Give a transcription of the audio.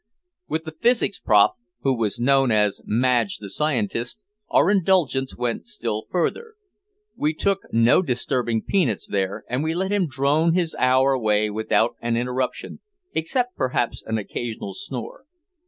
With the physics prof, who was known as "Madge the Scientist," our indulgence went still further. We took no disturbing peanuts there and we let him drone his hour away without an interruption, except perhaps an occasional snore.